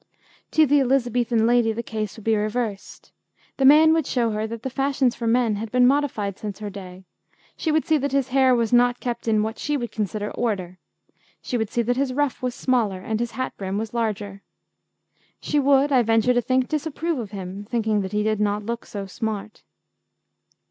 To the Elizabethan lady the case would be reversed. The man would show her that the fashions for men had been modified since her day; she would see that his hair was not kept in, what she would consider, order; she would see that his ruff was smaller, and his hat brim was larger. She would, I venture to think, disapprove of him, thinking that he did not look so 'smart.'